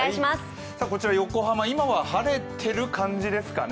こちら横浜、今は晴れている感じですかね。